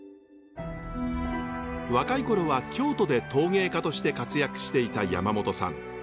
若い頃は京都で陶芸家として活躍していた山元さん。